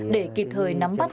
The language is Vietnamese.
để kịp thời nắm bắt